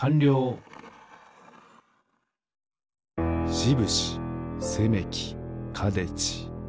しぶしせめきかでち。